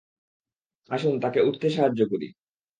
আসুন, তাকে উঠতে সাহায্য করি।